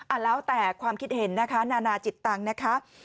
แล้วแต่ความคิดเห็นนะคะนานาจิตตังค์นะคะ